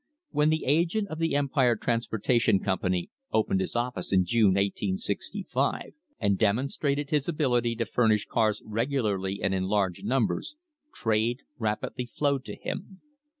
When the agent of the Empire Transportation Company opened his office in June, 1865, an d demonstrated his ability to furnish cars regularly and in large numbers, trade rapidly flowed to him.